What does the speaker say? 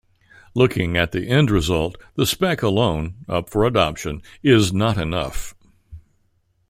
Looking at the end result, the spec alone, up for adoption, is not enough.